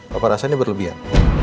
papa rasanya berlebihan